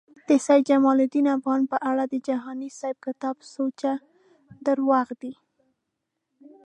د سید جمالدین افغان په اړه د جهانی صیب کتاب سوچه درواغ دی